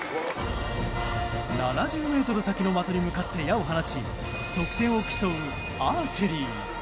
７０ｍ先の的に向かって矢を放ち得点を競うアーチェリー。